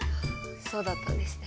そうだったんですね。